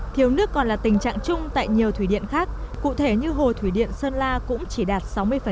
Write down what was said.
thiếu nước còn là tình trạng chung tại nhiều thủy điện khác cụ thể như hồ thủy điện sơn la cũng chỉ đạt sáu mươi